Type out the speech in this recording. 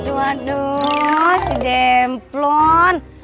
aduh aduh si demplon